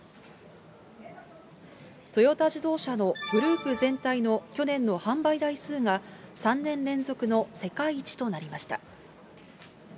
トヨタ自動車のグループ全体の去年の販売台数が、３年連続の世界一となりました。